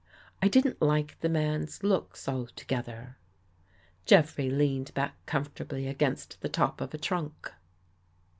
I didn't like the man's looks altogether. Jeffrey leaned back comfortably against the top of a trunk.